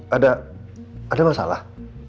ada ada masalah